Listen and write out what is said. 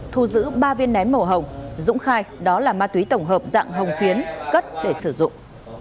thu giữ ba viên nén màu hồng dũng khai đó là ma túy tổng hợp dạng hồng phiến cất để sử dụng